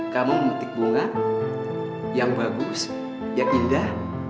kamu memetik bunga yang bagus yang indah